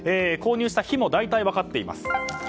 購入した日も大体分かっています。